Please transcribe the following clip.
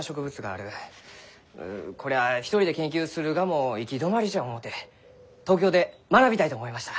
こりゃあ一人で研究するがも行き止まりじゃ思うて東京で学びたいと思いました。